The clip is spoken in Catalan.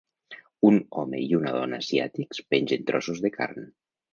Un home i una dona asiàtics pengen trossos de carn.